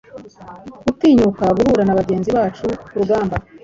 Gutinyuka guhura na bagenzi bacu-kurugamba